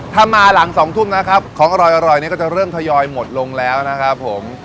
ถ้ามาหลัง๒ทุ่มนะครับของอร่อยนี้ก็จะเริ่มทยอยหมดลงแล้วนะครับผม